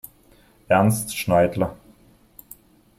Ernst Schneidler.